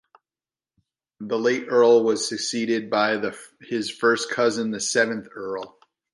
The late Earl was succeeded by his first cousin, the seventh Earl.